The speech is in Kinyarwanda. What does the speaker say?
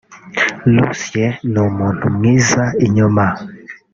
Lucien ni umuntu mwiza inyuma